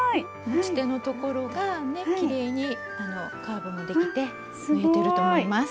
持ち手のところがきれいにカーブもできて縫えてると思います。